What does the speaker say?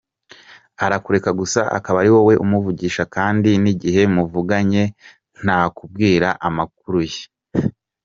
Arakureka gusa ukaba ari wowe umuvugisha kandi n’igihe muvuganye ntakubwira amakuru ye.